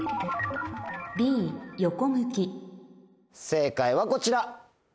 正解はこちら。